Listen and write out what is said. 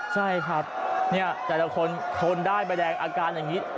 ใช่ครับเนี่ยแต่ละคนทนได้ใบแดงอาการอย่างนี้